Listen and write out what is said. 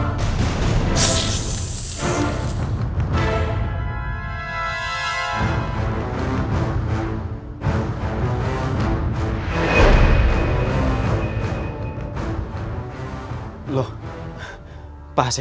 kembali ke tempat kal bagul